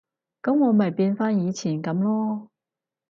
噉我咪變返以前噉囉